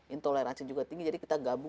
intoleransi juga tinggi